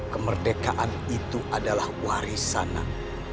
kemerdekaan itu adalah warisanah